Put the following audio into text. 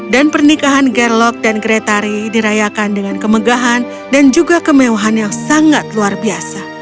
dan pernikahan gerlok dan gretari dirayakan dengan kemegahan dan juga kemewahan yang sangat luar biasa